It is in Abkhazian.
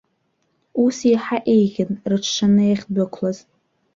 Ус иаҳа еиӷьын, рыҽшаны иахьдәықәлаз.